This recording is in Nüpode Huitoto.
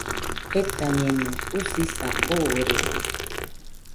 Jetañeno, usisa boorede.